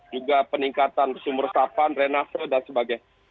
juga peningkatan sumber resapan renase dan sebagainya